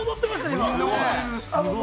今。